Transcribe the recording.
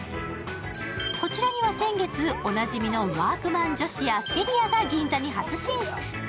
こちらには先月、おなじみのワークマン女子やＳｅｒｉａが銀座に初進出。